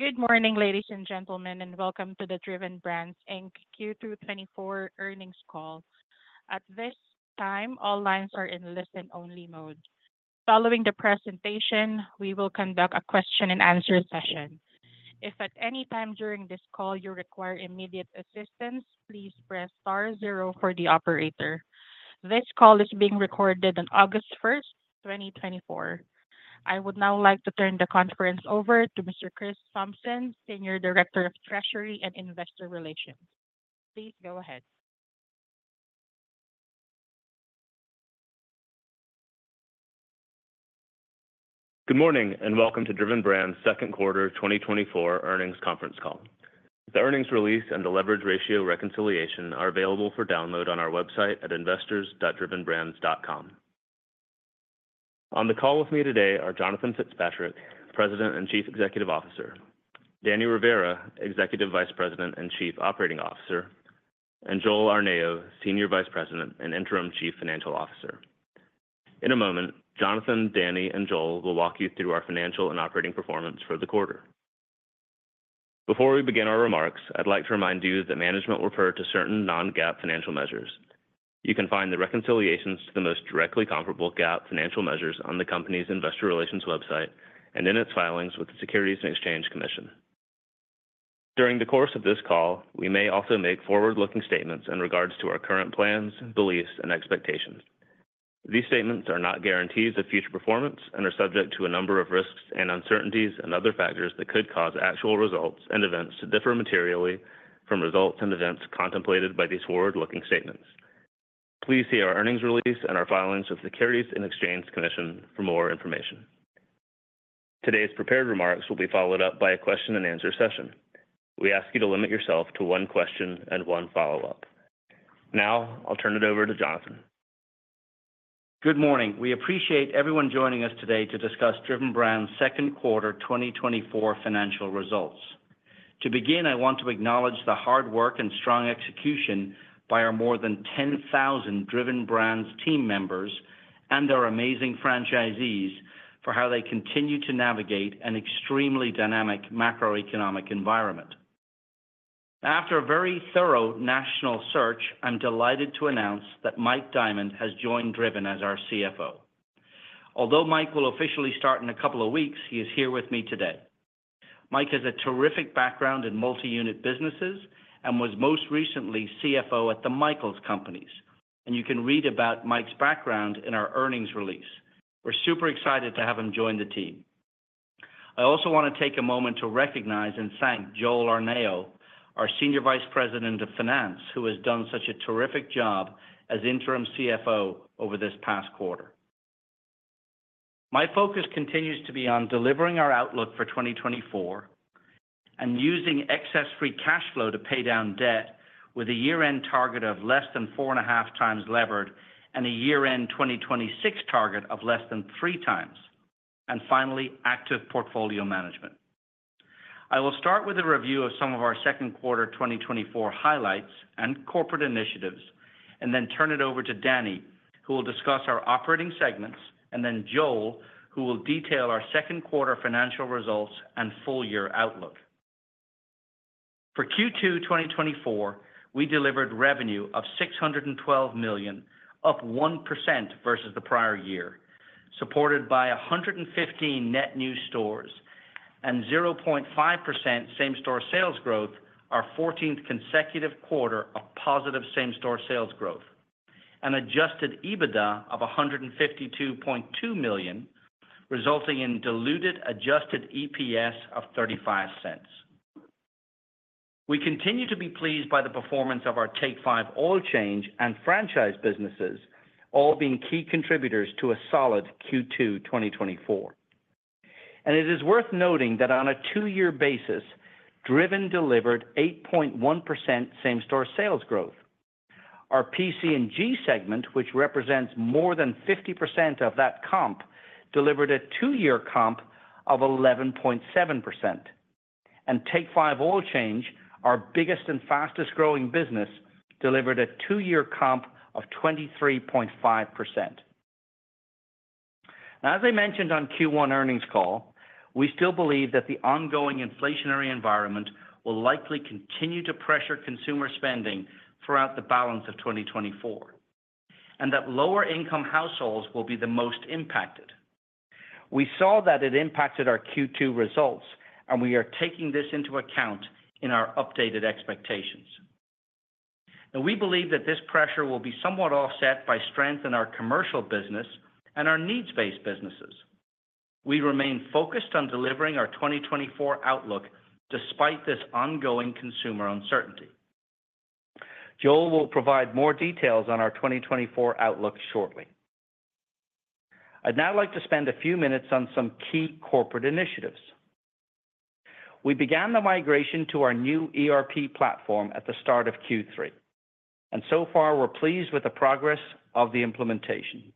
Good morning, ladies and gentlemen, and welcome to the Driven Brands, Inc. Q2 2024 earnings call. At this time, all lines are in listen-only mode. Following the presentation, we will conduct a question-and-answer session. If at any time during this call you require immediate assistance, please press star zero for the operator. This call is being recorded on August 1, 2024. I would now like to turn the conference over to Mr. Chris Thompson, Senior Director of Treasury and Investor Relations. Please go ahead. Good morning, and welcome to Driven Brands' second quarter 2024 earnings conference call. The earnings release and the leverage ratio reconciliation are available for download on our website at investors.drivenbrands.com. On the call with me today are Jonathan Fitzpatrick, President and Chief Executive Officer; Danny Rivera, Executive Vice President and Chief Operating Officer; and Joel Arnao, Senior Vice President and Interim Chief Financial Officer. In a moment, Jonathan, Danny, and Joel will walk you through our financial and operating performance for the quarter. Before we begin our remarks, I'd like to remind you that management referred to certain non-GAAP financial measures. You can find the reconciliations to the most directly comparable GAAP financial measures on the company's investor relations website and in its filings with the Securities and Exchange Commission. During the course of this call, we may also make forward-looking statements in regards to our current plans, beliefs, and expectations. These statements are not guarantees of future performance and are subject to a number of risks and uncertainties and other factors that could cause actual results and events to differ materially from results and events contemplated by these forward-looking statements. Please see our earnings release and our filings with the Securities and Exchange Commission for more information. Today's prepared remarks will be followed up by a question-and-answer session. We ask you to limit yourself to one question and one follow-up. Now, I'll turn it over to Jonathan. Good morning. We appreciate everyone joining us today to discuss Driven Brands' second quarter 2024 financial results. To begin, I want to acknowledge the hard work and strong execution by our more than 10,000 Driven Brands team members and our amazing franchisees for how they continue to navigate an extremely dynamic macroeconomic environment. After a very thorough national search, I'm delighted to announce that Mike Diamond has joined Driven as our CFO. Although Mike will officially start in a couple of weeks, he is here with me today. Mike has a terrific background in multi-unit businesses and was most recently CFO at The Michaels Companies, and you can read about Mike's background in our earnings release. We're super excited to have him join the team. I also want to take a moment to recognize and thank Joel Arnao, our Senior Vice President of Finance, who has done such a terrific job as interim CFO over this past quarter. My focus continues to be on delivering our outlook for 2024 and using excess free cash flow to pay down debt with a year-end target of less than 4.5x levered and a year-end 2026 target of less than 3x, and finally, active portfolio management. I will start with a review of some of our second quarter 2024 highlights and corporate initiatives and then turn it over to Danny, who will discuss our operating segments, and then Joel, who will detail our second quarter financial results and full year outlook. For Q2 2024, we delivered revenue of $612 million, up 1% versus the prior year, supported by 115 net new stores and 0.5% same-store sales growth, our 14th consecutive quarter of positive same-store sales growth, and adjusted EBITDA of $152.2 million, resulting in diluted adjusted EPS of $0.35. We continue to be pleased by the performance of Take 5 Oil Change and franchise businesses, all being key contributors to a solid Q2 2024. It is worth noting that on a two-year basis, Driven delivered 8.1% same-store sales growth. Our PC&G segment, which represents more than 50% of that comp, delivered a two-year comp of 11.7%, Take 5 Oil Change, our biggest and fastest-growing business, delivered a two-year comp of 23.5%. Now, as I mentioned on Q1 earnings call, we still believe that the ongoing inflationary environment will likely continue to pressure consumer spending throughout the balance of 2024 and that lower-income households will be the most impacted. We saw that it impacted our Q2 results, and we are taking this into account in our updated expectations. We believe that this pressure will be somewhat offset by strength in our commercial business and our needs-based businesses. We remain focused on delivering our 2024 outlook despite this ongoing consumer uncertainty. Joel will provide more details on our 2024 outlook shortly. I'd now like to spend a few minutes on some key corporate initiatives. We began the migration to our new ERP platform at the start of Q3, and so far, we're pleased with the progress of the implementation.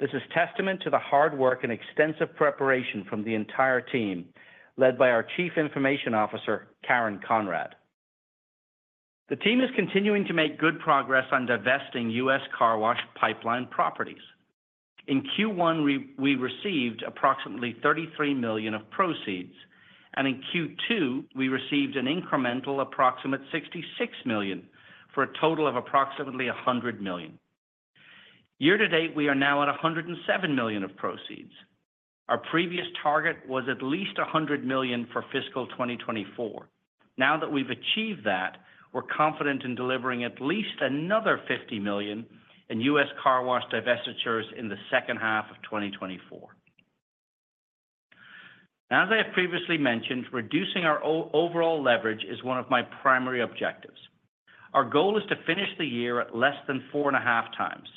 This is testament to the hard work and extensive preparation from the entire team, led by our Chief Information Officer, Karen Conrad. The team is continuing to make good progress on divesting US Car Wash pipeline properties. In Q1, we received approximately $33 million of proceeds, and in Q2, we received an incremental approximate $66 million, for a total of approximately $100 million. Year to date, we are now at $107 million of proceeds. Our previous target was at least $100 million for fiscal 2024. Now that we've achieved that, we're confident in delivering at least another $50 million in U.S. Car Wash divestitures in the second half of 2024. As I have previously mentioned, reducing our overall leverage is one of my primary objectives. Our goal is to finish the year at less than 4.5 times.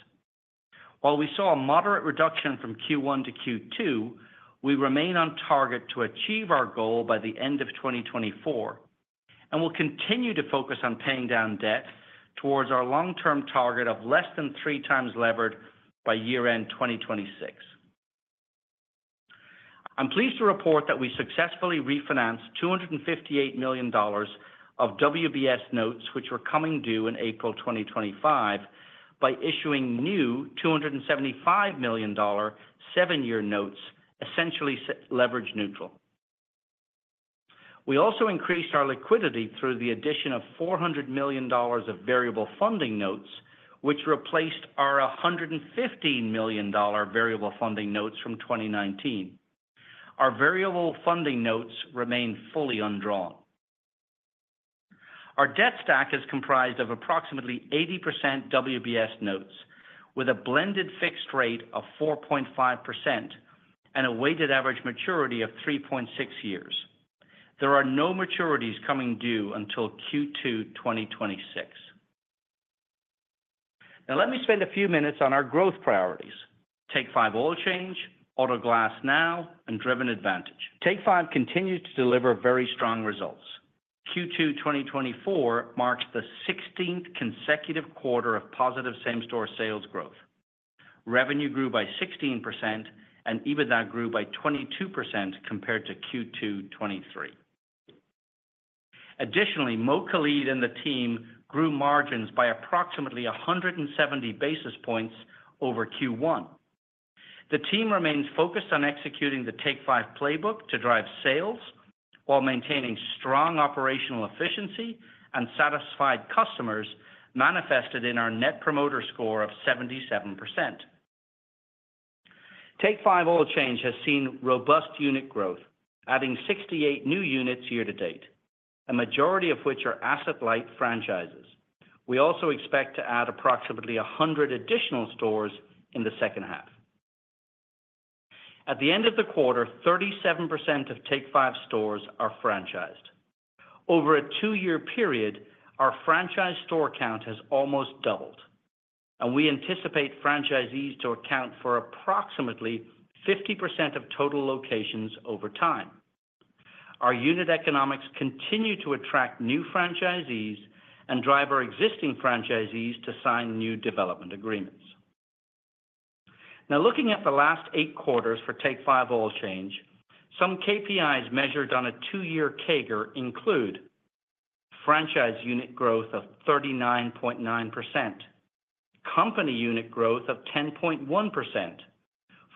While we saw a moderate reduction from Q1 to Q2, we remain on target to achieve our goal by the end of 2024, and we'll continue to focus on paying down debt towards our long-term target of less than 3 times levered by year-end 2026. I'm pleased to report that we successfully refinanced $258 million of WBS notes, which were coming due in April 2025, by issuing new $275 million seven-year notes, essentially leverage neutral. We also increased our liquidity through the addition of $400 million of variable funding notes, which replaced our $115 million variable funding notes from 2019. Our variable funding notes remain fully undrawn. Our debt stack is comprised of approximately 80% WBS notes, with a blended fixed rate of 4.5% and a weighted average maturity of three point six years. There are no maturities coming due until Q2 2026. Now, let me spend a few minutes on our growth priorities. Take 5 Oil Change, Auto Glass Now, and Driven Advantage. Take 5 continues to deliver very strong results. Q2 2024 marks the 16th consecutive quarter of positive same-store sales growth. Revenue grew by 16%, and EBITDA grew by 22% compared to Q2 2023. Additionally, Mo Khalid and the team grew margins by approximately 170 basis points over Q1. The team remains focused on executing Take 5 playbook to drive sales while maintaining strong operational efficiency and satisfied customers, manifested in our Net Promoter Score of Take 5 Oil Change has seen robust unit growth, adding 68 new units year to date, a majority of which are asset-light franchises. We also expect to add approximately 100 additional stores in the second half. At the end of the quarter, 37% Take 5 stores are franchised. Over a two-year period, our franchise store count has almost doubled, and we anticipate franchisees to account for approximately 50% of total locations over time. Our unit economics continue to attract new franchisees and drive our existing franchisees to sign new development agreements. Now, looking at the last eight quarters Take 5 Oil Change, some KPIs measured on a two-year CAGR include franchise unit growth of 39.9%, company unit growth of 10.1%,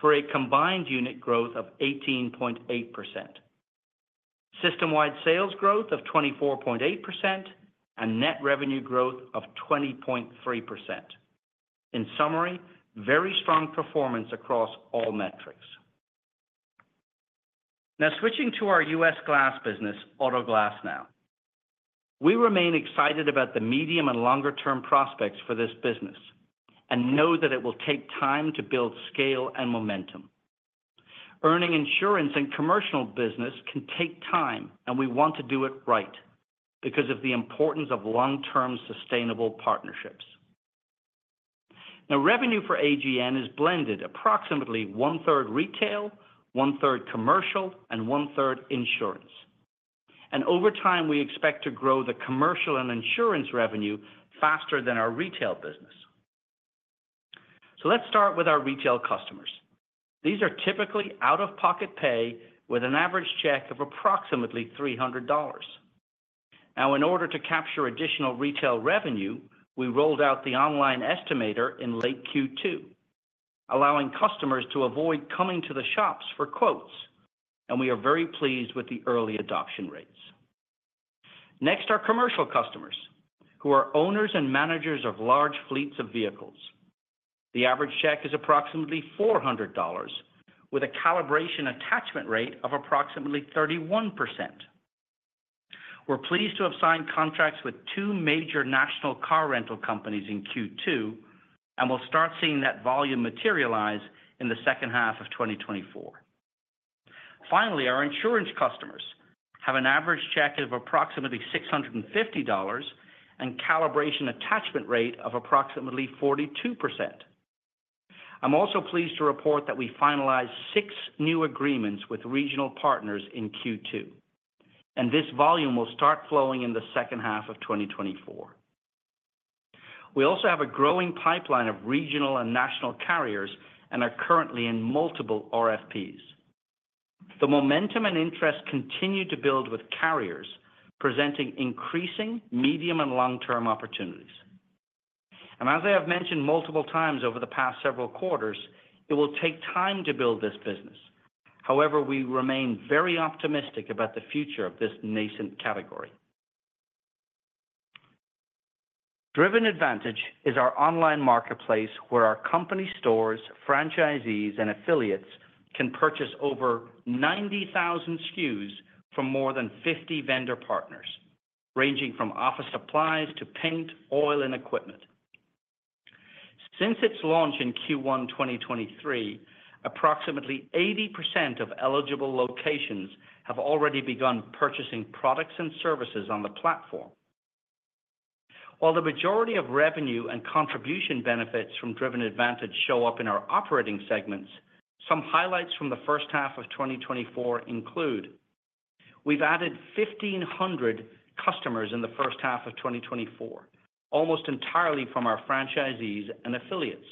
for a combined unit growth of 18.8%, system-wide sales growth of 24.8%, and net revenue growth of 20.3%. In summary, very strong performance across all metrics. Now, switching to our U.S. Glass business, Auto Glass Now. We remain excited about the medium and longer term prospects for this business, and know that it will take time to build scale and momentum. Earning insurance and commercial business can take time, and we want to do it right because of the importance of long-term, sustainable partnerships. Now, revenue for AGN is blended approximately one-third retail, one-third commercial, and one-third insurance. Over time, we expect to grow the commercial and insurance revenue faster than our retail business. Let's start with our retail customers. These are typically out-of-pocket pay with an average check of approximately $300. Now, in order to capture additional retail revenue, we rolled out the online estimator in late Q2, allowing customers to avoid coming to the shops for quotes, and we are very pleased with the early adoption rates. Next, our commercial customers, who are owners and managers of large fleets of vehicles. The average check is approximately $400, with a calibration attachment rate of approximately 31%. We're pleased to have signed contracts with two major national car rental companies in Q2, and we'll start seeing that volume materialize in the second half of 2024. Finally, our insurance customers have an average check of approximately $650 and calibration attachment rate of approximately 42%. I'm also pleased to report that we finalized 6 new agreements with regional partners in Q2, and this volume will start flowing in the second half of 2024. We also have a growing pipeline of regional and national carriers, and are currently in multiple RFPs. The momentum and interest continue to build with carriers, presenting increasing medium- and long-term opportunities. As I have mentioned multiple times over the past several quarters, it will take time to build this business. However, we remain very optimistic about the future of this nascent category. Driven Advantage is our online marketplace where our company stores, franchisees, and affiliates can purchase over 90,000 SKUs from more than 50 vendor partners, ranging from office supplies to paint, oil, and equipment. Since its launch in Q1 2023, approximately 80% of eligible locations have already begun purchasing products and services on the platform. While the majority of revenue and contribution benefits from Driven Advantage show up in our operating segments, some highlights from the first half of 2024 include: We've added 1,500 customers in the first half of 2024, almost entirely from our franchisees and affiliates.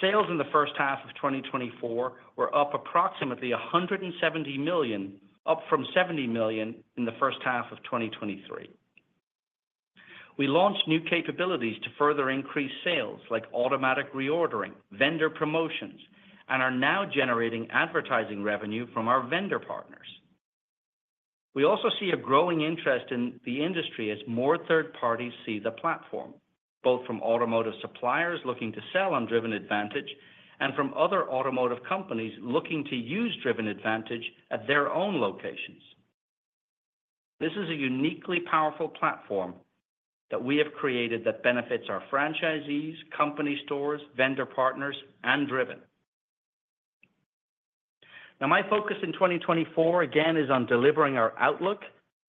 Sales in the first half of 2024 were up approximately $170 million, up from $70 million in the first half of 2023. We launched new capabilities to further increase sales, like automatic reordering, vendor promotions, and are now generating advertising revenue from our vendor partners. We also see a growing interest in the industry as more third parties see the platform, both from automotive suppliers looking to sell on Driven Advantage and from other automotive companies looking to use Driven Advantage at their own locations. This is a uniquely powerful platform that we have created that benefits our franchisees, company stores, vendor partners, and Driven. Now, my focus in 2024, again, is on delivering our outlook,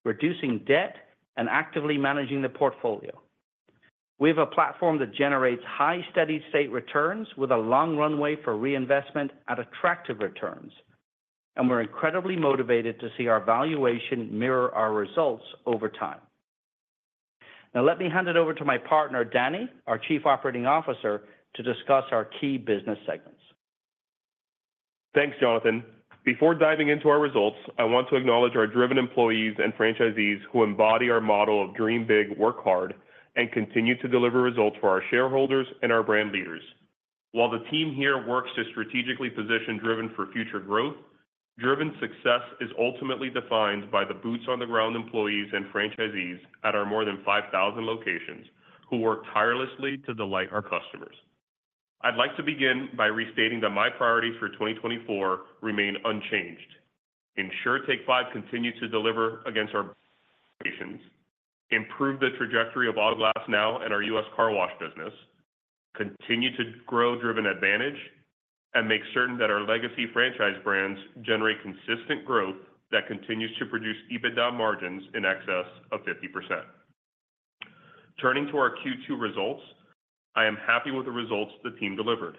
reducing debt, and actively managing the portfolio. We have a platform that generates high, steady state returns with a long runway for reinvestment at attractive returns, and we're incredibly motivated to see our valuation mirror our results over time. Now, let me hand it over to my partner, Danny, our Chief Operating Officer, to discuss our key business segments. Thanks, Jonathan. Before diving into our results, I want to acknowledge our Driven employees and franchisees who embody our model of "Dream Big, Work Hard" and continue to deliver results for our shareholders and our brand leaders. While the team here works to strategically position Driven for future growth, Driven's success is ultimately defined by the boots-on-the-ground employees and franchisees at our more than 5,000 locations, who work tirelessly to delight our customers. I'd like to begin by restating that my priorities for 2024 remain unchanged. Take 5 continue to deliver against our plans, improve the trajectory of Auto Glass Now and our U.S. Car Wash business, continue to grow Driven Advantage, and make certain that our legacy franchise brands generate consistent growth that continues to produce EBITDA margins in excess of 50%. Turning to our Q2 results, I am happy with the results the team delivered.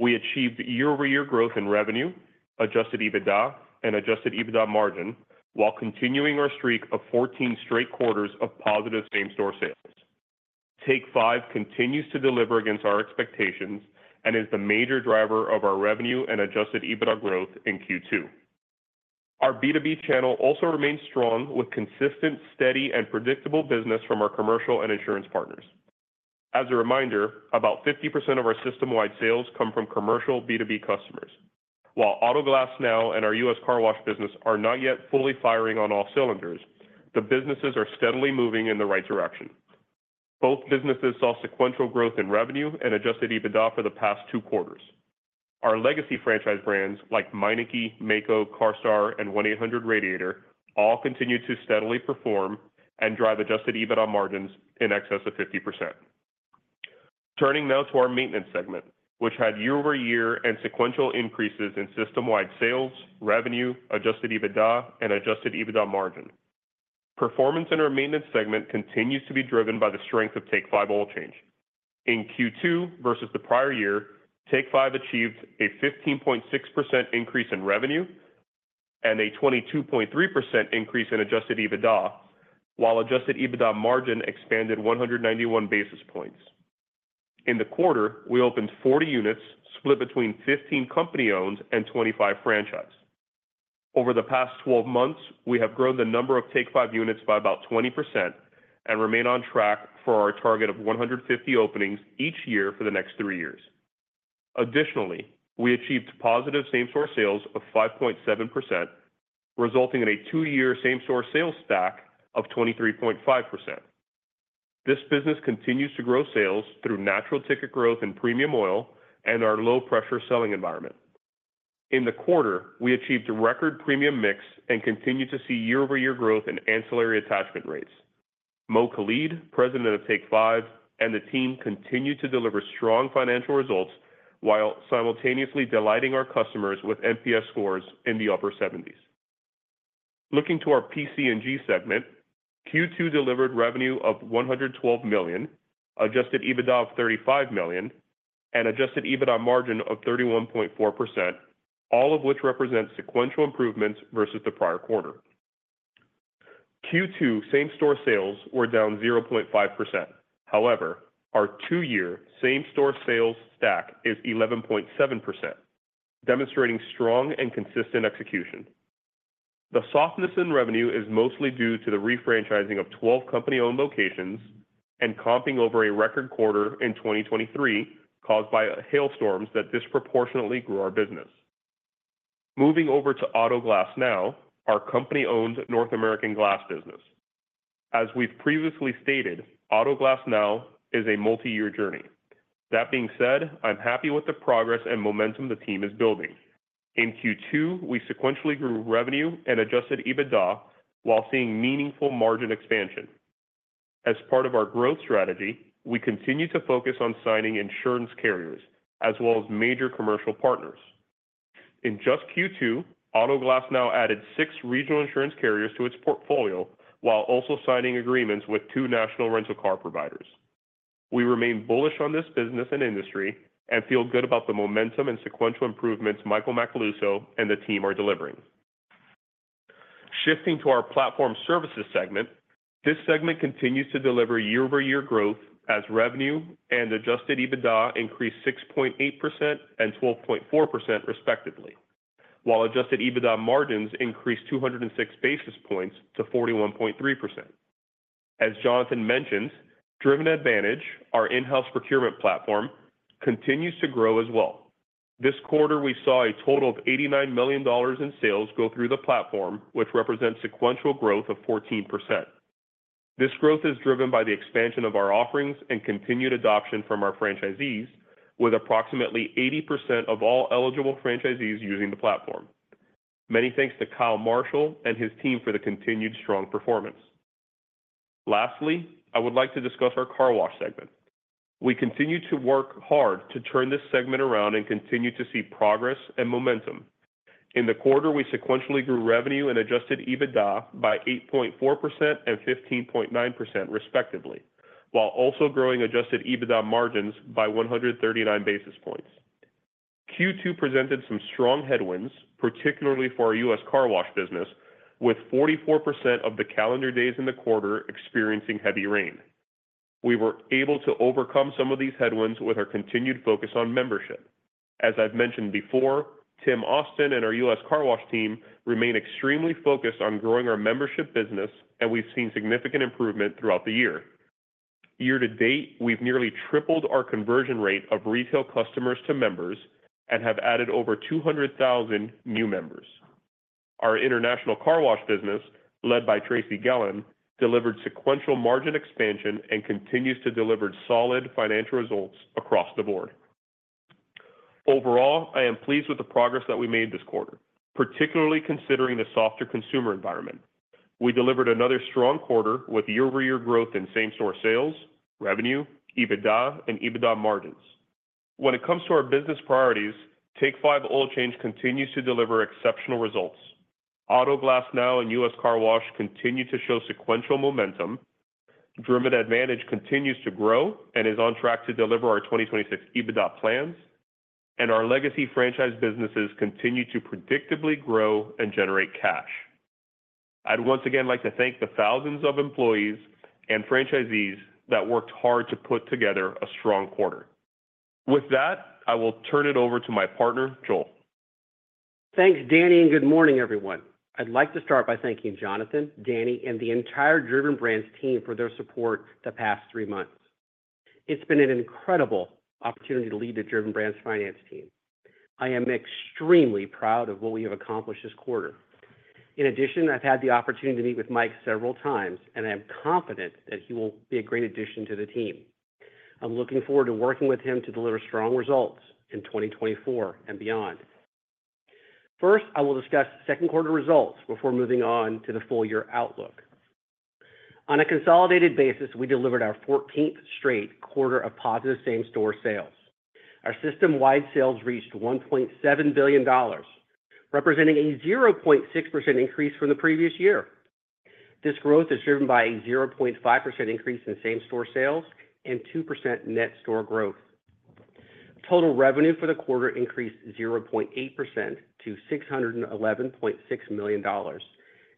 We achieved year-over-year growth in revenue, adjusted EBITDA, and adjusted EBITDA margin, while continuing our streak of 14 straight quarters of positive same-store Take 5 continues to deliver against our expectations and is the major driver of our revenue and adjusted EBITDA growth in Q2. Our B2B channel also remains strong, with consistent, steady, and predictable business from our commercial and insurance partners. As a reminder, about 50% of our system-wide sales come from commercial B2B customers. While Auto Glass Now and our U.S. Car Wash business are not yet fully firing on all cylinders, the businesses are steadily moving in the right direction. Both businesses saw sequential growth in revenue and adjusted EBITDA for the past two quarters. Our legacy franchise brands like Meineke, Maaco, CARSTAR, and 1-800-Radiator, all continue to steadily perform and drive adjusted EBITDA margins in excess of 50%. Turning now to our maintenance segment, which had year-over-year and sequential increases in System-Wide Sales, revenue, Adjusted EBITDA, and Adjusted EBITDA margin. Performance in our maintenance segment continues to be driven by the strength of Take 5 Oil Change. In Q2 versus the prior year, Take 5 achieved a 15.6% increase in revenue and a 22.3% increase in Adjusted EBITDA, while Adjusted EBITDA margin expanded 191 basis points. In the quarter, we opened 40 units, split between 15 company-owned and 25 franchise. Over the past 12 months, we have grown the number of Take 5 units by about 20% and remain on track for our target of 150 openings each year for the next three years. Additionally, we achieved positive same-store sales of 5.7%, resulting in a two-year same-store sales stack of 23.5%. This business continues to grow sales through natural ticket growth and premium oil and our low-pressure selling environment. In the quarter, we achieved a record premium mix and continued to see year-over-year growth in ancillary attachment rates. Mo Khalid, President Take 5, and the team continued to deliver strong financial results while simultaneously delighting our customers with NPS scores in the upper seventies. Looking to our PC&G segment, Q2 delivered revenue of $112 million, Adjusted EBITDA of $35 million, and Adjusted EBITDA margin of 31.4%, all of which represent sequential improvements versus the prior quarter. Q2 same-store sales were down 0.5%. However, our two-year same-store sales stack is 11.7%, demonstrating strong and consistent execution. The softness in revenue is mostly due to the refranchising of 12 company-owned locations and comping over a record quarter in 2023, caused by hailstorms that disproportionately grew our business. Moving over to Auto Glass Now, our company-owned North American glass business. As we've previously stated, Auto Glass Now is a multi-year journey. That being said, I'm happy with the progress and momentum the team is building. In Q2, we sequentially grew revenue and Adjusted EBITDA while seeing meaningful margin expansion. As part of our growth strategy, we continue to focus on signing insurance carriers as well as major commercial partners. In just Q2, Auto Glass Now added 6 regional insurance carriers to its portfolio, while also signing agreements with 2 national rental car providers. We remain bullish on this business and industry and feel good about the momentum and sequential improvements Michael Macaluso and the team are delivering. Shifting to our platform services segment, this segment continues to deliver year-over-year growth as revenue and adjusted EBITDA increased 6.8% and 12.4%, respectively, while adjusted EBITDA margins increased 206 basis points to 41.3%. As Jonathan mentioned, Driven Advantage, our in-house procurement platform, continues to grow as well. This quarter, we saw a total of $89 million in sales go through the platform, which represents sequential growth of 14%. This growth is driven by the expansion of our offerings and continued adoption from our franchisees, with approximately 80% of all eligible franchisees using the platform. Many thanks to Kyle Marshall and his team for the continued strong performance. Lastly, I would like to discuss our car wash segment. We continue to work hard to turn this segment around and continue to see progress and momentum. In the quarter, we sequentially grew revenue and adjusted EBITDA by 8.4% and 15.9%, respectively, while also growing adjusted EBITDA margins by 139 basis points. Q2 presented some strong headwinds, particularly for our U.S. car wash business, with 44% of the calendar days in the quarter experiencing heavy rain. We were able to overcome some of these headwinds with our continued focus on membership. As I've mentioned before, Tim Austin and our U.S. Car Wash team remain extremely focused on growing our membership business, and we've seen significant improvement throughout the year. Year to date, we've nearly tripled our conversion rate of retail customers to members and have added over 200,000 new members. Our international car wash business, led by Tracy Gahlen, delivered sequential margin expansion and continues to deliver solid financial results across the board. Overall, I am pleased with the progress that we made this quarter, particularly considering the softer consumer environment. We delivered another strong quarter with year-over-year growth in same-store sales, revenue, EBITDA, and EBITDA margins. When it comes to our business priorities, Take 5 Oil Change continues to deliver exceptional results. AutoGlass Now and US Car Wash continue to show sequential momentum. Driven Advantage continues to grow and is on track to deliver our 2026 EBITDA plans, and our legacy franchise businesses continue to predictably grow and generate cash. I'd once again like to thank the thousands of employees and franchisees that worked hard to put together a strong quarter. With that, I will turn it over to my partner, Joel. Thanks, Danny, and good morning, everyone. I'd like to start by thanking Jonathan, Danny, and the entire Driven Brands team for their support the past three months. It's been an incredible opportunity to lead the Driven Brands finance team. I am extremely proud of what we have accomplished this quarter. In addition, I've had the opportunity to meet with Mike several times, and I am confident that he will be a great addition to the team. I'm looking forward to working with him to deliver strong results in 2024 and beyond. First, I will discuss second quarter results before moving on to the full year outlook. On a consolidated basis, we delivered our fourteenth straight quarter of positive same-store sales. Our system-wide sales reached $1.7 billion, representing a 0.6% increase from the previous year. This growth is driven by a 0.5% increase in same-store sales and 2% net store growth. Total revenue for the quarter increased 0.8% to $611.6 million,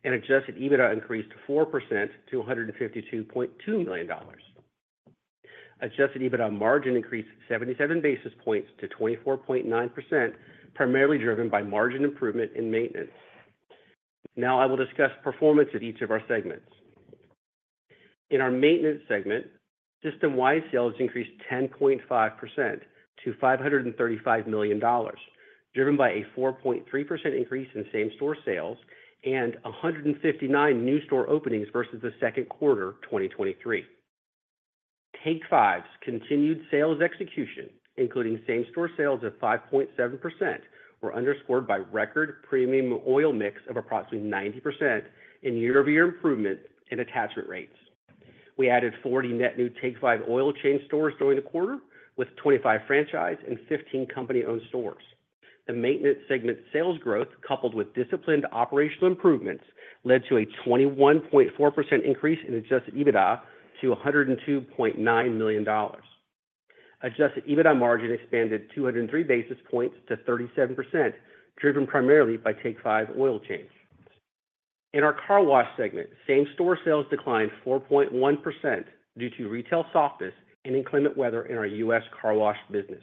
and Adjusted EBITDA increased 4% to $152.2 million. Adjusted EBITDA margin increased 77 basis points to 24.9%, primarily driven by margin improvement in maintenance. Now, I will discuss performance at each of our segments. In our maintenance segment, system-wide sales increased 10.5% to $535 million, driven by a 4.3% increase in same-store sales and 159 new store openings versus the second quarter of 2023. Take 5's continued sales execution, including same-store sales of 5.7%, were underscored by record premium oil mix of approximately 90% in year-over-year improvement in attachment rates. We added 40 net Take 5 Oil Change stores during the quarter, with 25 franchise and 15 company-owned stores. The maintenance segment sales growth, coupled with disciplined operational improvements, led to a 21.4% increase in Adjusted EBITDA to $102.9 million. Adjusted EBITDA margin expanded 203 basis points to 37%, driven primarily Take 5 oil change. In our car wash segment, same-store sales declined 4.1% due to retail softness and inclement weather in our U.S. car wash business.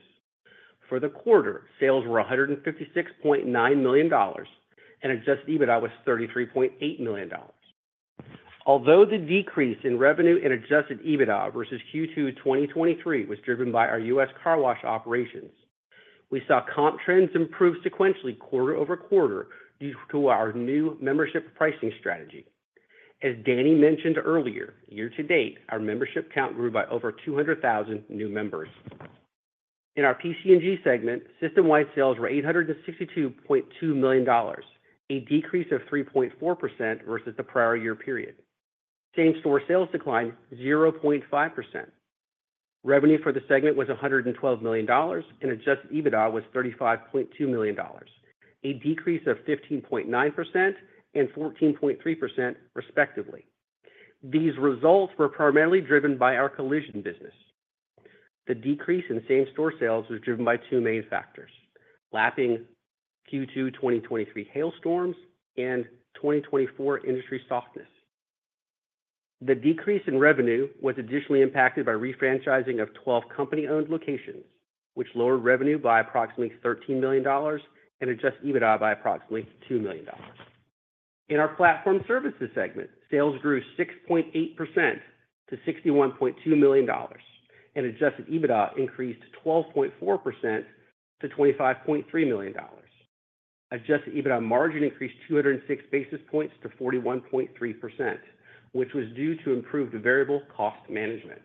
For the quarter, sales were $156.9 million, and Adjusted EBITDA was $33.8 million. Although the decrease in revenue and adjusted EBITDA versus Q2 2023 was driven by our U.S. car wash operations, we saw comp trends improve sequentially quarter-over-quarter due to our new membership pricing strategy. As Danny mentioned earlier, year to date, our membership count grew by over 200,000 new members. In our PCNG segment, system-wide sales were $862.2 million, a decrease of 3.4% versus the prior year period. Same-store sales declined 0.5%. Revenue for the segment was $112 million, and adjusted EBITDA was $35.2 million, a decrease of 15.9% and 14.3% respectively. These results were primarily driven by our collision business. The decrease in same-store sales was driven by two main factors: lapping Q2 2023 hailstorms and 2024 industry softness. The decrease in revenue was additionally impacted by refranchising of 12 company-owned locations, which lowered revenue by approximately $13 million and adjusted EBITDA by approximately $2 million. In our platform services segment, sales grew 6.8% to $61.2 million, and adjusted EBITDA increased 12.4% to $25.3 million. Adjusted EBITDA margin increased 206 basis points to 41.3%, which was due to improved variable cost management.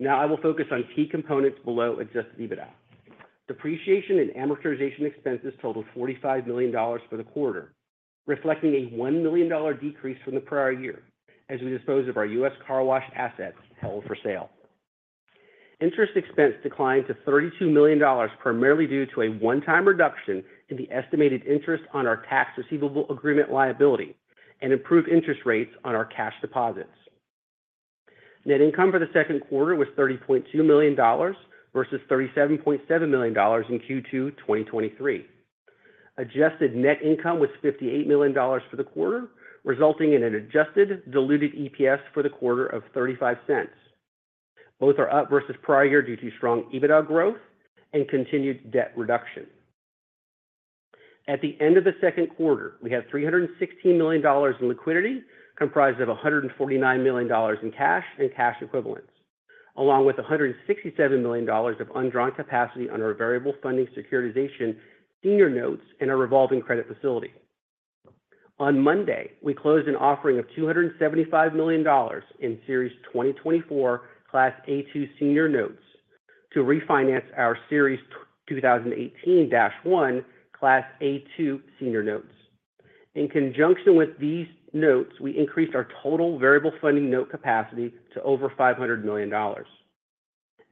Now I will focus on key components below adjusted EBITDA. Depreciation and amortization expenses totaled $45 million for the quarter, reflecting a $1 million decrease from the prior year, as we disposed of our U.S. car wash assets held for sale. Interest expense declined to $32 million, primarily due to a one-time reduction in the estimated interest on our Tax Receivable Agreement liability and improved interest rates on our cash deposits. Net income for the second quarter was $30.2 million versus $37.7 million in Q2 2023. Adjusted Net Income was $58 million for the quarter, resulting in an Adjusted Diluted EPS for the quarter of $0.35. Both are up versus prior year due to strong EBITDA growth and continued debt reduction. At the end of the second quarter, we had $316 million in liquidity, comprised of $149 million in cash and cash equivalents, along with $167 million of undrawn capacity under our variable funding securitization senior notes and our revolving credit facility. On Monday, we closed an offering of $275 million in Series 2024 Class A2 senior notes to refinance our Series 2018-1 Class A2 senior notes. In conjunction with these notes, we increased our total variable funding note capacity to over $500 million.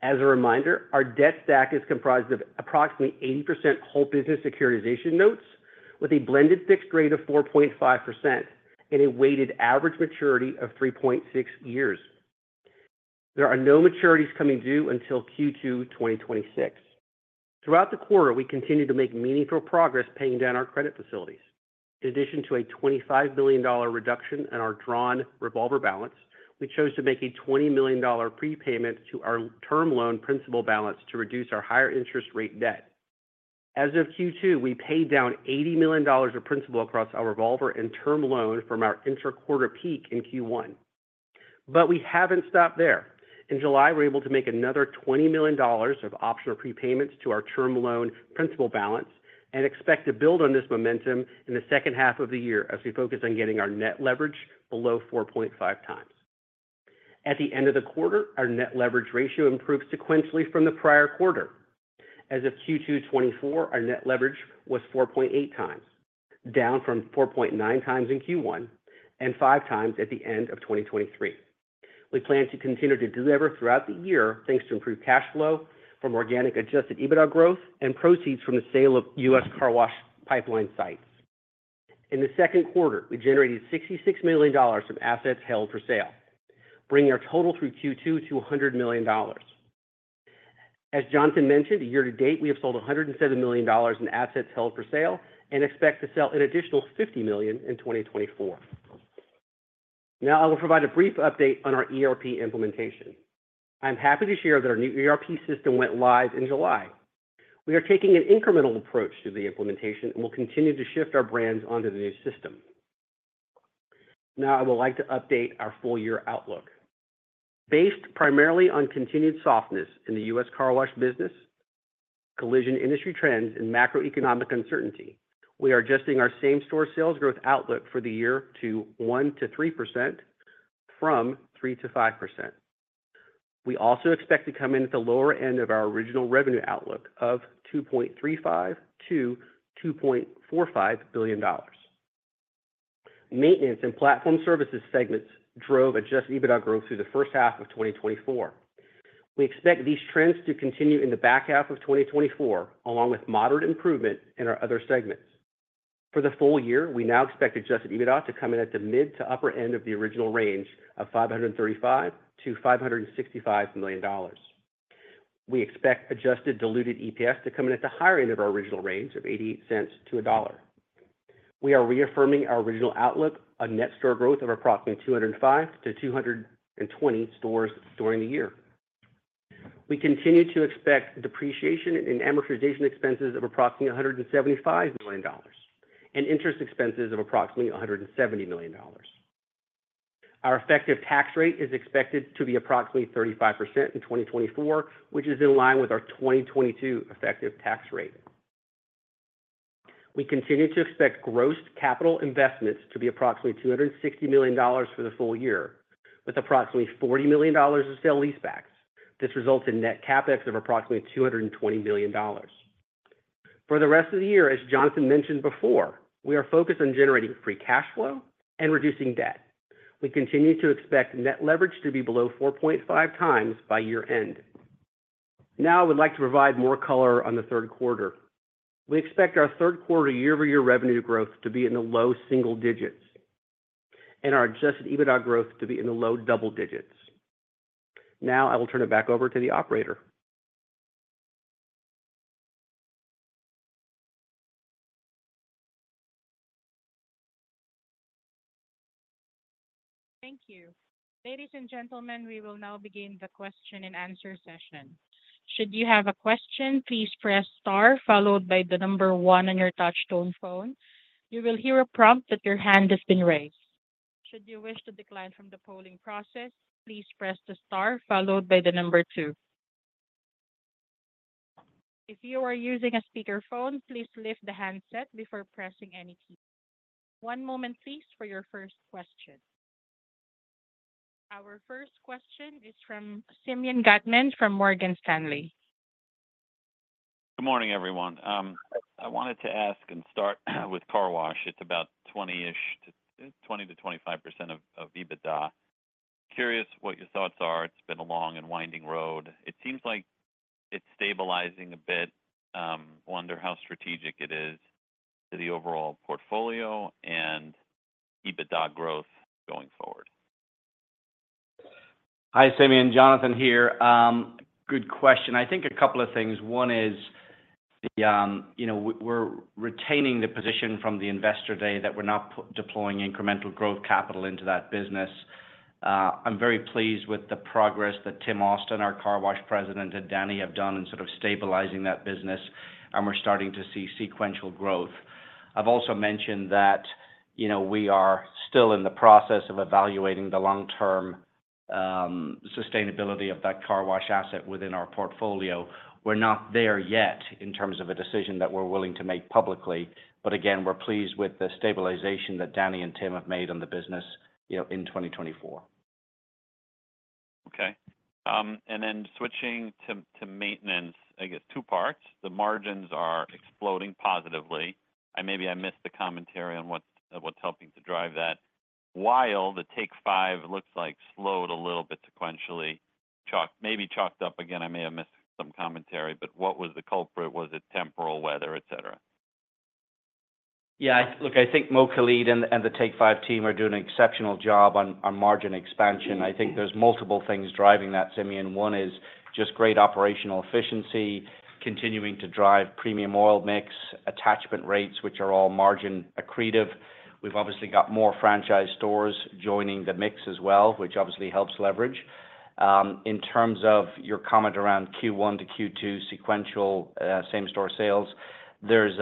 As a reminder, our debt stack is comprised of approximately 80% whole business securitization notes with a blended fixed rate of 4.5% and a weighted average maturity of 3.6 years. There are no maturities coming due until Q2 2026. Throughout the quarter, we continued to make meaningful progress paying down our credit facilities. In addition to a $25 billion reduction in our drawn revolver balance, we chose to make a $20 million prepayment to our term loan principal balance to reduce our higher interest rate debt. As of Q2, we paid down $80 million of principal across our revolver and term loan from our interquarter peak in Q1. But we haven't stopped there. In July, we were able to make another $20 million of optional prepayments to our term loan principal balance and expect to build on this momentum in the second half of the year as we focus on getting our net leverage below 4.5 times. At the end of the quarter, our net leverage ratio improved sequentially from the prior quarter. As of Q2 2024, our net leverage was 4.8 times, down from 4.9 times in Q1 and 5 times at the end of 2023. We plan to continue to deliver throughout the year, thanks to improved cash flow from organic adjusted EBITDA growth and proceeds from the sale of U.S. car wash pipeline sites. In the second quarter, we generated $66 million from assets held for sale, bringing our total through Q2 to $100 million. As Jonathan mentioned, year to date, we have sold $170 million in assets held for sale and expect to sell an additional $50 million in 2024. Now I will provide a brief update on our ERP implementation. I'm happy to share that our new ERP system went live in July. We are taking an incremental approach to the implementation and will continue to shift our brands onto the new system. Now I would like to update our full year outlook. Based primarily on continued softness in the U.S. car wash business, collision industry trends and macroeconomic uncertainty, we are adjusting our same-store sales growth outlook for the year to 1%-3% from 3%-5%. We also expect to come in at the lower end of our original revenue outlook of $2.35 billion-$2.45 billion. Maintenance and platform services segments drove adjusted EBITDA growth through the first half of 2024. We expect these trends to continue in the back half of 2024, along with moderate improvement in our other segments. For the full year, we now expect adjusted EBITDA to come in at the mid to upper end of the original range of $535 million-$565 million. We expect adjusted diluted EPS to come in at the higher end of our original range of $0.88-$1.00. We are reaffirming our original outlook on net store growth of approximately 205-220 stores during the year. We continue to expect depreciation and amortization expenses of approximately $175 million, and interest expenses of approximately $170 million. Our effective tax rate is expected to be approximately 35% in 2024, which is in line with our 2022 effective tax rate. We continue to expect gross capital investments to be approximately $260 million for the full year, with approximately $40 million of sale leasebacks. This results in net CapEx of approximately $220 million. For the rest of the year, as Jonathan mentioned before, we are focused on generating free cash flow and reducing debt. We continue to expect net leverage to be below 4.5 times by year-end. Now, I would like to provide more color on the third quarter. We expect our third quarter year-over-year revenue growth to be in the low single digits, and our Adjusted EBITDA growth to be in the low double digits. Now, I will turn it back over to the operator. Thank you. Ladies and gentlemen, we will now begin the question-and-answer session. Should you have a question, please press star followed by the number one on your touchtone phone. You will hear a prompt that your hand has been raised. Should you wish to decline from the polling process, please press the star followed by the number two. If you are using a speakerphone, please lift the handset before pressing any key. One moment, please, for your first question. Our first question is from Simeon Gutman from Morgan Stanley. Good morning, everyone. I wanted to ask and start with car wash. It's about 20-ish to 20%-25% of EBITDA. Curious what your thoughts are. It's been a long and winding road. It seems like it's stabilizing a bit. Wonder how strategic it is to the overall portfolio and EBITDA growth going forward? Hi, Simeon. Jonathan here. Good question. I think a couple of things. One is the, you know, we're, we're retaining the position from the investor day, that we're not deploying incremental growth capital into that business. I'm very pleased with the progress that Tim Austin, our car wash president, and Danny have done in sort of stabilizing that business, and we're starting to see sequential growth. I've also mentioned that, you know, we are still in the process of evaluating the long-term sustainability of that car wash asset within our portfolio. We're not there yet in terms of a decision that we're willing to make publicly, but again, we're pleased with the stabilization that Danny and Tim have made on the business, you know, in 2024. Okay. And then switching to maintenance, I guess two parts. The margins are exploding positively, and maybe I missed the commentary on what's helping to drive that. While Take 5 looks like slowed a little bit sequentially, chalked up again, I may have missed some commentary, but what was the culprit? Was it temporal, weather, et cetera? Yeah, look, I think Mo Khalid and, and Take 5 team are doing an exceptional job on, on margin expansion. I think there's multiple things driving that, Simeon. One is just great operational efficiency, continuing to drive premium oil mix, attachment rates, which are all margin accretive. We've obviously got more franchise stores joining the mix as well, which obviously helps leverage. In terms of your comment around Q1 to Q2 sequential, same-store sales, there's,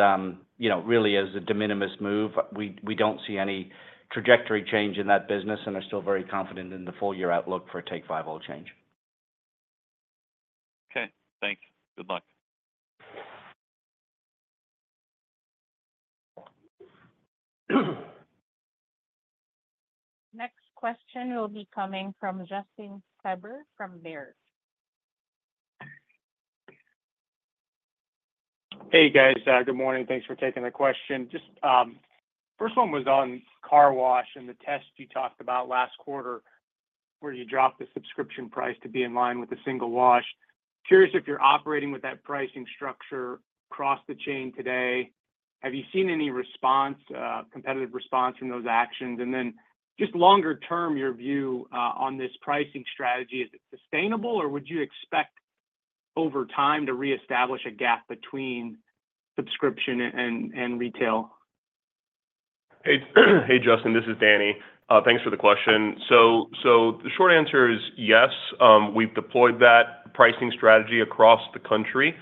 you know, really is a de minimis move. We, we don't see any trajectory change in that business and are still very confident in the full-year outlook for Take 5 oil change. Okay. Thanks. Good luck. Next question will be coming from Justin Kleber from Baird. Hey, guys, good morning. Thanks for taking the question. Just, first one was on car wash and the test you talked about last quarter, where you dropped the subscription price to be in line with the single wash. Curious if you're operating with that pricing structure across the chain today. Have you seen any response, competitive response in those actions? And then, just longer term, your view, on this pricing strategy, is it sustainable, or would you expect over time to reestablish a gap between subscription and, and retail? Hey, hey, Justin, this is Danny. Thanks for the question. So, the short answer is yes, we've deployed that pricing strategy across the country.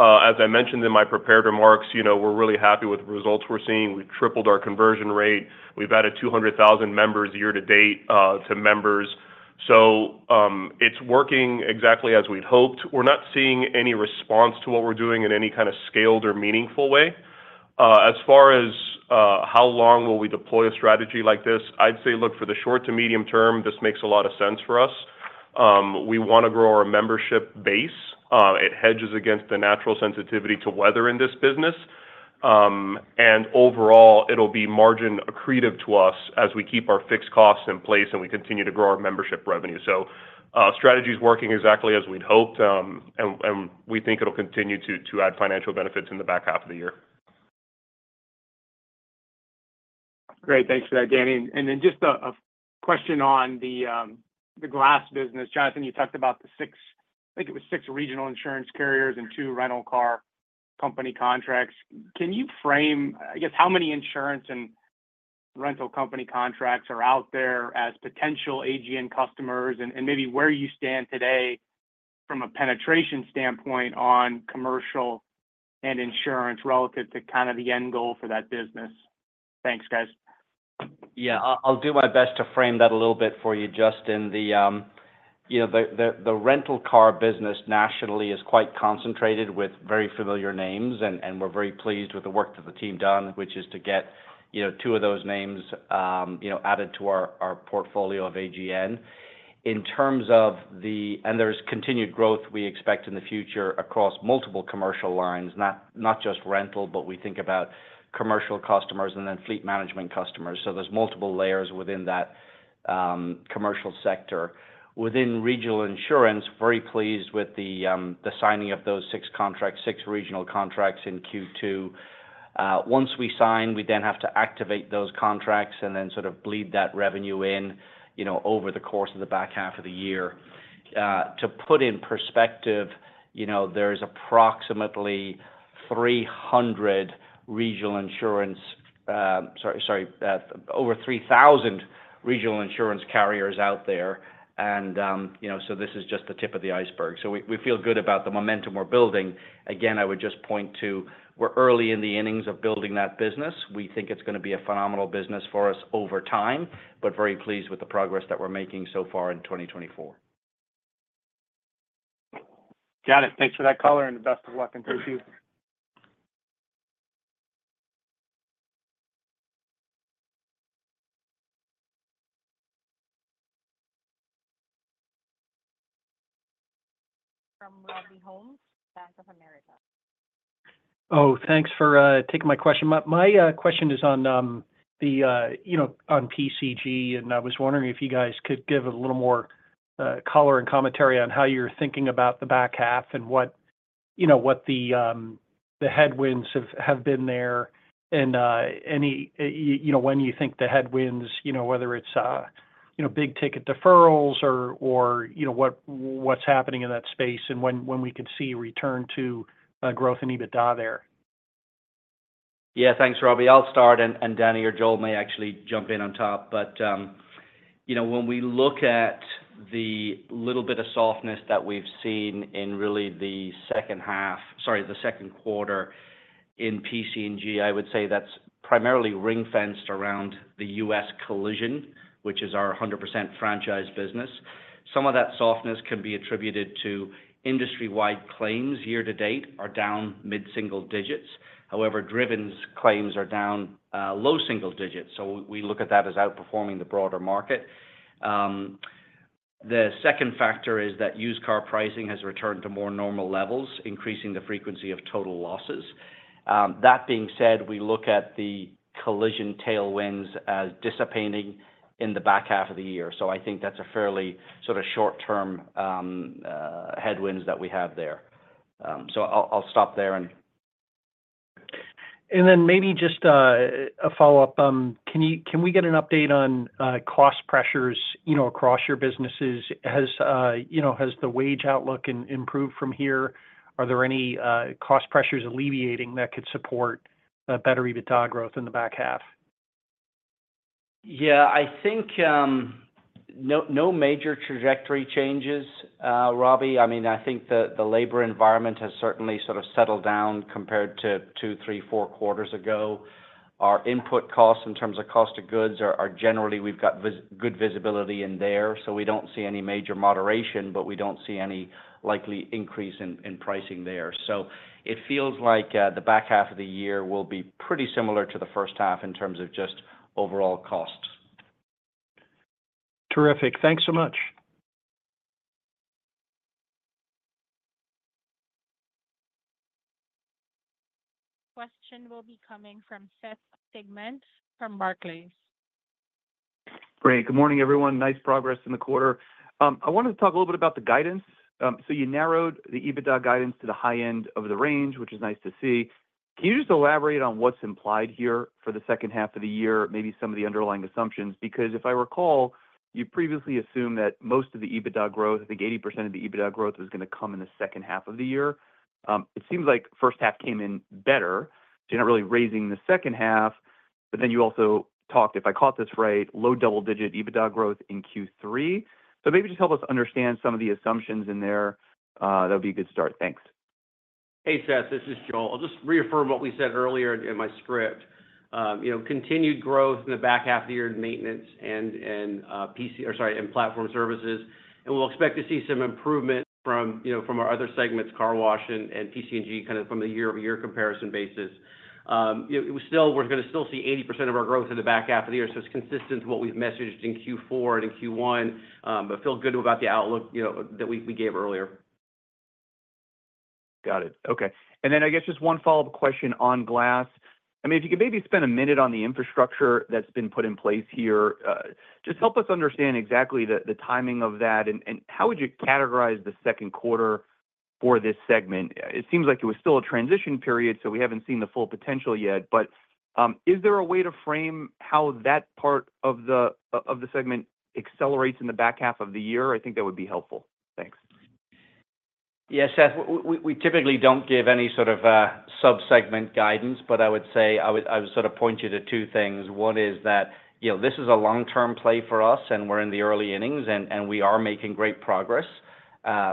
As I mentioned in my prepared remarks, you know, we're really happy with the results we're seeing. We've tripled our conversion rate. We've added 200,000 members year to date, to members. So, it's working exactly as we'd hoped. We're not seeing any response to what we're doing in any kind of scaled or meaningful way. As far as, how long will we deploy a strategy like this? I'd say, look, for the short to medium term, this makes a lot of sense for us. We wanna grow our membership base. It hedges against the natural sensitivity to weather in this business. Overall, it'll be margin accretive to us as we keep our fixed costs in place and we continue to grow our membership revenue. So, strategy is working exactly as we'd hoped, and we think it'll continue to add financial benefits in the back half of the year.... Great, thanks for that, Danny. And then just a, a question on the, the glass business. Jonathan, you talked about the six, I think it was six regional insurance carriers and 2 rental car company contracts. Can you frame, I guess, how many insurance and rental company contracts are out there as potential AGN customers? And, and maybe where you stand today from a penetration standpoint on commercial and insurance relative to kind of the end goal for that business. Thanks, guys. Yeah, I'll do my best to frame that a little bit for you, Justin. You know, the rental car business nationally is quite concentrated with very familiar names, and we're very pleased with the work that the team done, which is to get, you know, two of those names, you know, added to our portfolio of AGN. In terms of the, and there's continued growth we expect in the future across multiple commercial lines, not just rental, but we think about commercial customers and then fleet management customers. So there's multiple layers within that, commercial sector. Within regional insurance, very pleased with the signing of those six contracts, six regional contracts in Q2. Once we sign, we then have to activate those contracts and then sort of bleed that revenue in, you know, over the course of the back half of the year. To put in perspective, you know, there's approximately over 3,000 regional insurance carriers out there. So this is just the tip of the iceberg. So we feel good about the momentum we're building. Again, I would just point to, we're early in the innings of building that business. We think it's gonna be a phenomenal business for us over time, but very pleased with the progress that we're making so far in 2024. Jonathan, thanks for that color, and best of luck in Q2. From Robbie Ohmes, Bank of America. Oh, thanks for taking my question. My question is on, you know, on PCG, and I was wondering if you guys could give a little more color and commentary on how you're thinking about the back half and what, you know, what the headwinds have been there, and any, you know, when you think the headwinds, you know, whether it's big ticket deferrals or what’s happening in that space, and when we could see return to growth in EBITDA there? Yeah, thanks, Robbie. I'll start, and Danny or Joel may actually jump in on top. But, you know, when we look at the little bit of softness that we've seen in really the second half, sorry, the second quarter in PCG, I would say that's primarily ring-fenced around the U.S. collision, which is our 100% franchise business. Some of that softness can be attributed to industry-wide claims. Year to date are down mid-single digits. However, Driven's claims are down low single digits, so we look at that as outperforming the broader market. The second factor is that used car pricing has returned to more normal levels, increasing the frequency of total losses. That being said, we look at the collision tailwinds as dissipating in the back half of the year. So I think that's a fairly sort of short-term headwinds that we have there. So I'll stop there and- And then maybe just a follow-up. Can we get an update on cost pressures, you know, across your businesses? Has, you know, has the wage outlook improved from here? Are there any cost pressures alleviating that could support better EBITDA growth in the back half? Yeah, I think, no, no major trajectory changes, Robbie. I mean, I think the labor environment has certainly sort of settled down compared to two, three, four quarters ago. Our input costs, in terms of cost of goods, are generally, we've got good visibility in there, so we don't see any major moderation, but we don't see any likely increase in pricing there. So it feels like, the back half of the year will be pretty similar to the first half in terms of just overall costs. Terrific. Thanks so much. Question will be coming from Seth Sigman from Barclays. Great. Good morning, everyone. Nice progress in the quarter. I wanted to talk a little bit about the guidance. So you narrowed the EBITDA guidance to the high end of the range, which is nice to see. Can you just elaborate on what's implied here for the second half of the year, maybe some of the underlying assumptions? Because if I recall, you previously assumed that most of the EBITDA growth, I think 80% of the EBITDA growth, was gonna come in the second half of the year. It seems like first half came in better, so you're not really raising the second half. But then you also talked, if I caught this right, low double-digit EBITDA growth in Q3. So maybe just help us understand some of the assumptions in there, that would be a good start. Thanks. Hey, Seth, this is Joel. I'll just reaffirm what we said earlier in my script. You know, continued growth in the back half of the year in maintenance and in platform services, and we'll expect to see some improvement from, you know, from our other segments, car wash and PCG, kind of from a year-over-year comparison basis. We're gonna still see 80% of our growth in the back half of the year, so it's consistent to what we've messaged in Q4 and in Q1. But feel good about the outlook, you know, that we gave earlier. Got it. Okay. And then I guess just one follow-up question on glass. I mean, if you could maybe spend a minute on the infrastructure that's been put in place here, just help us understand exactly the timing of that, and how would you categorize the second quarter,... for this segment. It seems like it was still a transition period, so we haven't seen the full potential yet. But, is there a way to frame how that part of the segment accelerates in the back half of the year? I think that would be helpful. Thanks. Yeah, Seth, we typically don't give any sort of sub-segment guidance, but I would say. I would sort of point you to two things. One is that, you know, this is a long-term play for us, and we're in the early innings, and we are making great progress.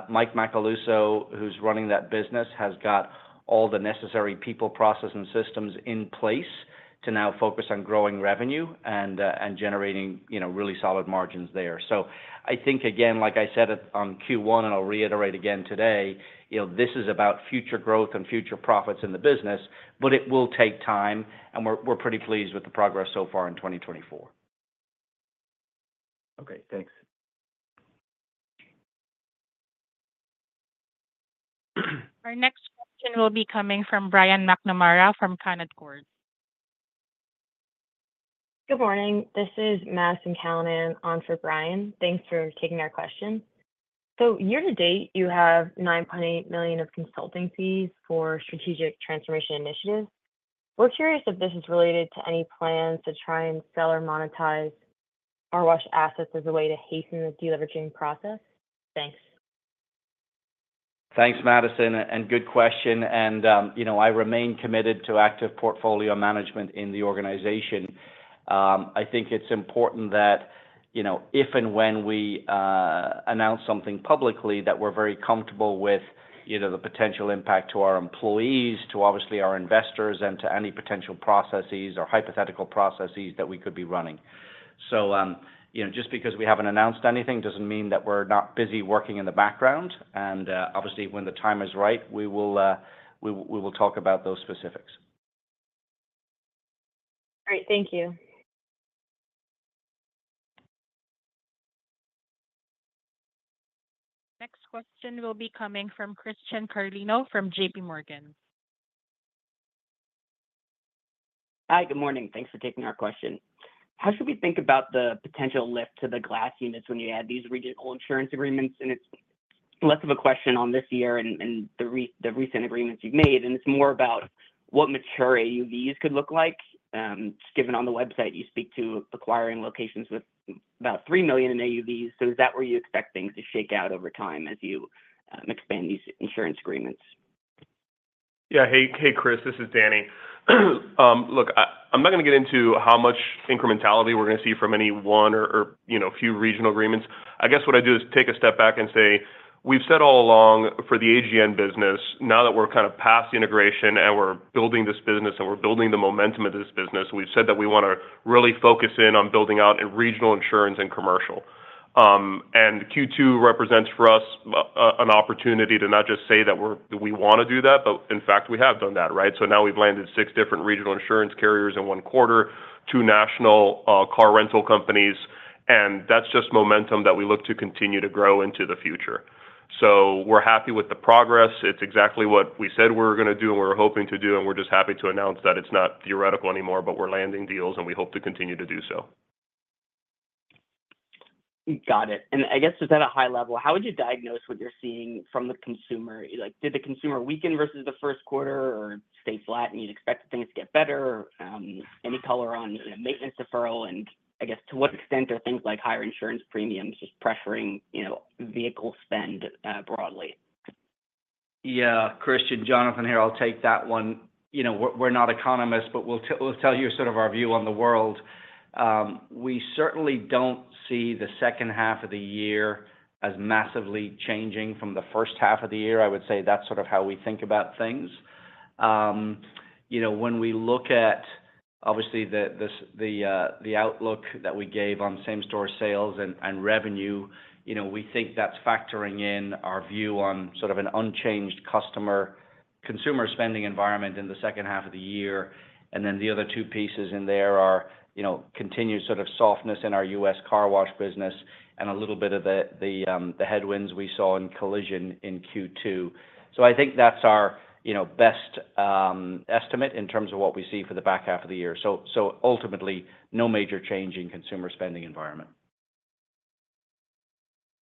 Mike Macaluso, who's running that business, has got all the necessary people, process, and systems in place to now focus on growing revenue and generating, you know, really solid margins there. So I think, again, like I said in Q1, and I'll reiterate again today, you know, this is about future growth and future profits in the business, but it will take time, and we're pretty pleased with the progress so far in 2024. Okay, thanks. Our next question will be coming from Brian McNamara from Canaccord. Good morning. This is Madison Callinan on for Brian. Thanks for taking our question. So year to date, you have $9.8 million of consulting fees for strategic transformation initiatives. We're curious if this is related to any plans to try and sell or monetize our wash assets as a way to hasten the deleveraging process? Thanks. Thanks, Madison, and good question, and, you know, I remain committed to active portfolio management in the organization. I think it's important that, you know, if and when we announce something publicly, that we're very comfortable with, you know, the potential impact to our employees, to obviously our investors, and to any potential processes or hypothetical processes that we could be running. So, you know, just because we haven't announced anything, doesn't mean that we're not busy working in the background, and, obviously, when the time is right, we will talk about those specifics. All right. Thank you. Next question will be coming from Christian Carlino from J.P. Morgan. Hi, good morning. Thanks for taking our question. How should we think about the potential lift to the glass units when you add these regional insurance agreements? It's less of a question on this year and the recent agreements you've made, and it's more about what mature AUVs could look like. Just given on the website, you speak to acquiring locations with about $3 million in AUVs. So is that where you expect things to shake out over time as you expand these insurance agreements? Yeah. Hey, hey, Chris, this is Danny. Look, I'm not gonna get into how much incrementality we're gonna see from any one or, you know, few regional agreements. I guess what I do is take a step back and say: we've said all along for the AGN business, now that we're kind of past the integration and we're building this business and we're building the momentum of this business, we've said that we wanna really focus in on building out a regional insurance and commercial. And Q2 represents for us an opportunity to not just say that we're, that we wanna do that, but in fact, we have done that, right? So now we've landed six different regional insurance carriers in one quarter, two national car rental companies, and that's just momentum that we look to continue to grow into the future. So we're happy with the progress. It's exactly what we said we were gonna do and we were hoping to do, and we're just happy to announce that it's not theoretical anymore, but we're landing deals, and we hope to continue to do so. Got it. I guess, just at a high level, how would you diagnose what you're seeing from the consumer? Like, did the consumer weaken versus the first quarter or stay flat, and you'd expect things to get better? Any color on, you know, maintenance deferral, and I guess to what extent are things like higher insurance premiums just pressuring, you know, vehicle spend, broadly? Yeah, Christian, Jonathan here. I'll take that one. You know, we're not economists, but we'll tell you sort of our view on the world. We certainly don't see the second half of the year as massively changing from the first half of the year. I would say that's sort of how we think about things. You know, when we look at, obviously, the outlook that we gave on same-store sales and revenue, you know, we think that's factoring in our view on sort of an unchanged customer, consumer spending environment in the second half of the year. And then the other two pieces in there are, you know, continued sort of softness in our U.S. car wash business and a little bit of the headwinds we saw in collision in Q2. So I think that's our, you know, best estimate in terms of what we see for the back half of the year. So ultimately, no major change in consumer spending environment.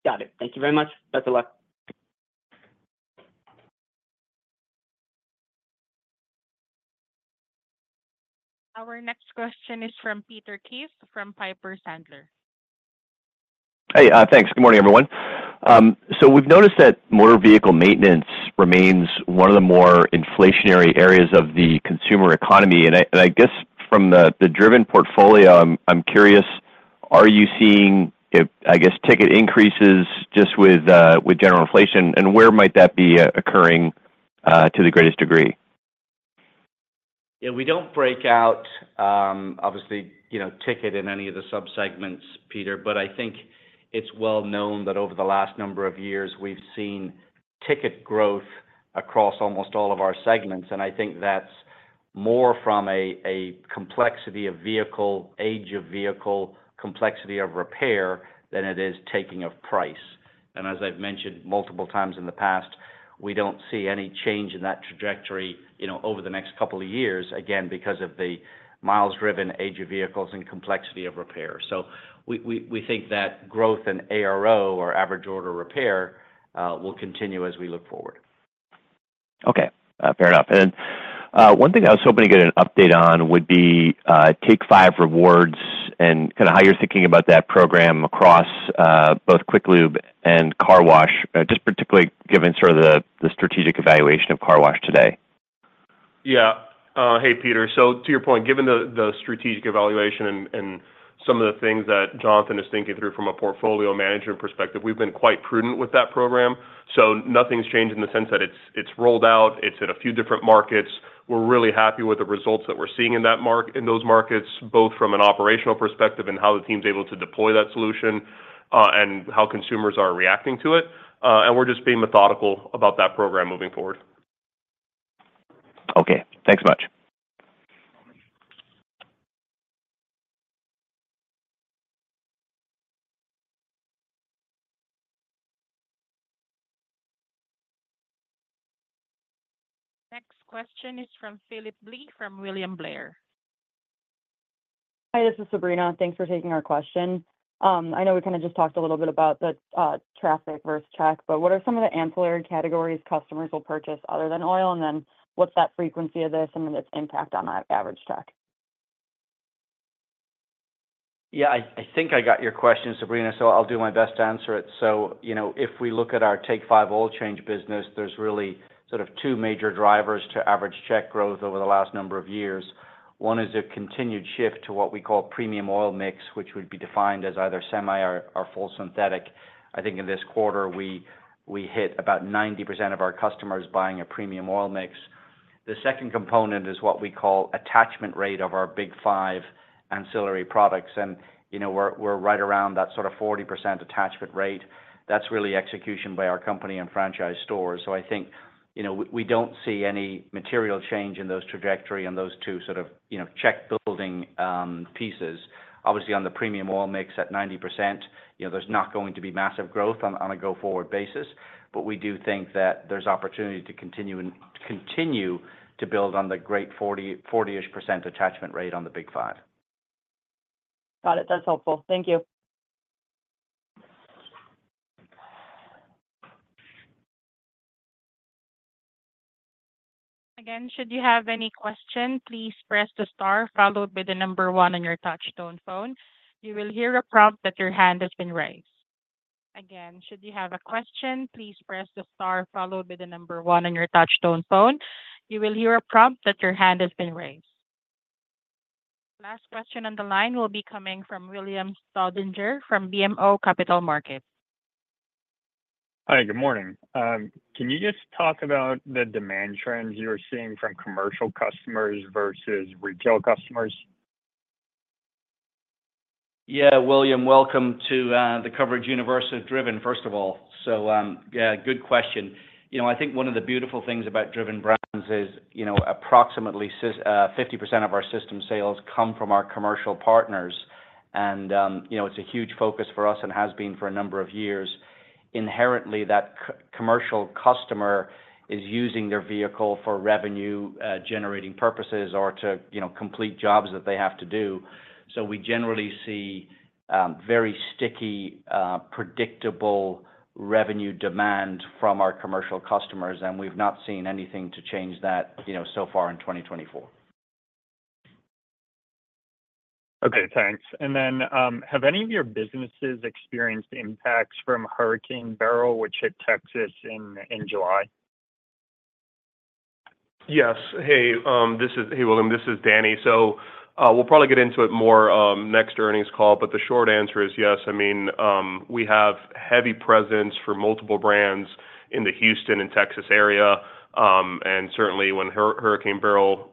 Got it. Thank you very much. Best of luck. Our next question is from Peter Keith, from Piper Sandler. Hey, thanks. Good morning, everyone. So we've noticed that motor vehicle maintenance remains one of the more inflationary areas of the consumer economy, and I guess from the Driven portfolio, I'm curious, are you seeing ticket increases just with general inflation, and where might that be occurring to the greatest degree? Yeah, we don't break out, obviously, you know, ticket in any of the sub-segments, Peter, but I think it's well known that over the last number of years, we've seen ticket growth across almost all of our segments. And I think that's more from a complexity of vehicle, age of vehicle, complexity of repair, than it is taking of price. And as I've mentioned multiple times in the past, we don't see any change in that trajectory, you know, over the next couple of years, again, because of the miles driven, age of vehicles, and complexity of repair. So we think that growth in ARO, or average repair order, will continue as we look forward.... Okay, fair enough. And then, one thing I was hoping to get an update on would be Take 5 Rewards and kind of how you're thinking about that program across both Quick Lube and car wash, just particularly given sort of the strategic evaluation of car wash today. Yeah. Hey, Peter. So to your point, given the strategic evaluation and some of the things that Jonathan is thinking through from a portfolio management perspective, we've been quite prudent with that program. So nothing's changed in the sense that it's rolled out, it's in a few different markets. We're really happy with the results that we're seeing in those markets, both from an operational perspective and how the team's able to deploy that solution, and how consumers are reacting to it. And we're just being methodical about that program moving forward. Okay. Thanks much. Next question is from Philip Blee from William Blair. Hi, this is Sabrina. Thanks for taking our question. I know we kind of just talked a little bit about the traffic versus check, but what are some of the ancillary categories customers will purchase other than oil? And then what's that frequency of this and then its impact on our average check? Yeah, I think I got your question, Sabrina, so I'll do my best to answer it. So, you know, if we look at our Take 5 oil change business, there's really sort of two major drivers to average check growth over the last number of years. One is a continued shift to what we call premium oil mix, which would be defined as either semi or full synthetic. I think in this quarter, we hit about 90% of our customers buying a premium oil mix. The second component is what we call attachment rate of our big five ancillary products. And, you know, we're right around that sort of 40% attachment rate. That's really execution by our company and franchise stores. So I think, you know, we don't see any material change in those trajectory on those two sort of, you know, check building pieces. Obviously, on the premium oil mix at 90%, you know, there's not going to be massive growth on, on a go-forward basis, but we do think that there's opportunity to continue and continue to build on the great 40, 40-ish% attachment rate on the big five. Got it. That's helpful. Thank you. Again, should you have any question, please press the star followed by the number one on your touchtone phone. You will hear a prompt that your hand has been raised. Again, should you have a question, please press the star followed by the number one on your touchtone phone. You will hear a prompt that your hand has been raised. Last question on the line will be coming from William Staudinger from BMO Capital Markets. Hi, good morning. Can you just talk about the demand trends you're seeing from commercial customers versus retail customers? Yeah, William, welcome to the coverage universe of Driven, first of all. So, yeah, good question. You know, I think one of the beautiful things about Driven Brands is, you know, approximately 50% of our system sales come from our commercial partners. And, you know, it's a huge focus for us and has been for a number of years. Inherently, that commercial customer is using their vehicle for revenue generating purposes or to, you know, complete jobs that they have to do. So we generally see very sticky predictable revenue demand from our commercial customers, and we've not seen anything to change that, you know, so far in 2024. Okay, thanks. And then, have any of your businesses experienced impacts from Hurricane Beryl, which hit Texas in July? Yes. Hey, this is... Hey, William, this is Danny. So, we'll probably get into it more, next earnings call, but the short answer is yes. I mean, we have heavy presence for multiple brands in the Houston and Texas area. And certainly, when Hurricane Beryl,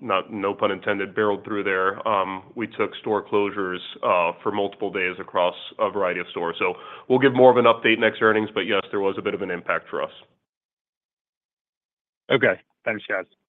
no pun intended, barreled through there, we took store closures, for multiple days across a variety of stores. So we'll give more of an update next earnings, but yes, there was a bit of an impact for us. Okay. Thanks, guys.